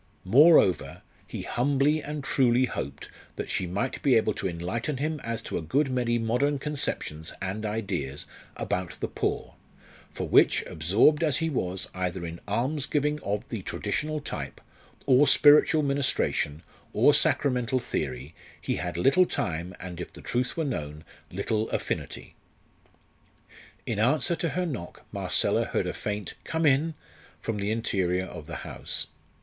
Moreover, he humbly and truly hoped that she might be able to enlighten him as to a good many modern conceptions and ideas about the poor, for which, absorbed as he was, either in almsgiving of the traditional type, or spiritual ministration, or sacramental theory, he had little time, and, if the truth were known, little affinity. In answer to her knock Marcella heard a faint "Come in" from the interior of the house.